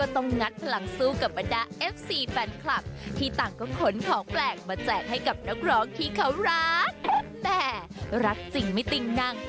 แต่รักจริงไม่ติ่งนั่ง